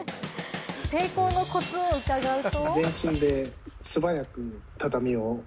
成功のコツをうかがうと。